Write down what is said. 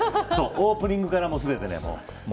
オープニングから全てね。